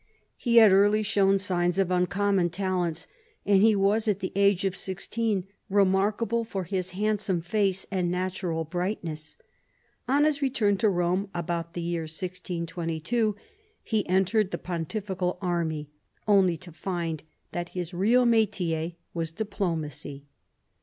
He had early shown signs of uncommon talents, and he was at the age of sixteen remarkable for his hand some face and natural brightness. On his return to Rome about the year 1622, he entered the pontifical army, only to find that his real mitier was diplomacy.